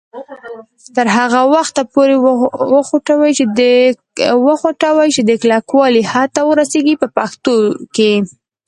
تر هغه وخته یې وخوټوئ چې د کلکوالي حد ته ورسیږي په پښتو کې.